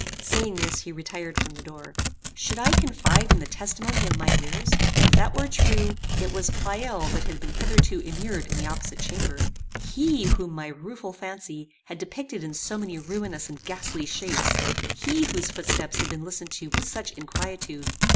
Saying this he retired from the door. Should I confide in the testimony of my ears? If that were true, it was Pleyel that had been hitherto immured in the opposite chamber: he whom my rueful fancy had depicted in so many ruinous and ghastly shapes: he whose footsteps had been listened to with such inquietude!